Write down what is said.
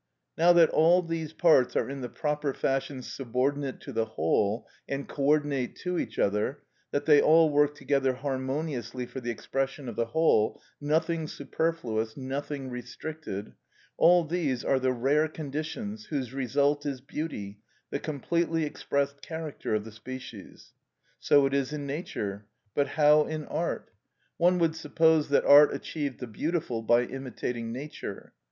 Now that all these parts are in the proper fashion subordinate to the whole, and co ordinate to each other, that they all work together harmoniously for the expression of the whole, nothing superfluous, nothing restricted; all these are the rare conditions, whose result is beauty, the completely expressed character of the species. So is it in nature. But how in art? One would suppose that art achieved the beautiful by imitating nature.